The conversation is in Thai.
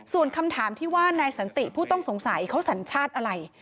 ส่วนคำถามที่ว่านายสันติผู้ต้องสงสัยเขาสัญชาติอะไร